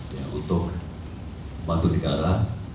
ya untuk bantu negara